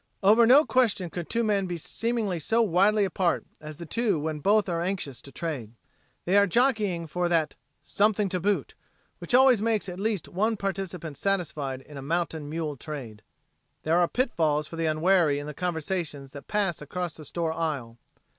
Over no question could two men be seemingly so widely apart as the two when both are anxious to trade. They are jockeying for that "something to boot" which always makes at least one participant satisfied in a mountain mule trade. There are pitfalls for the unwary in the conversations that pass across the store aisle.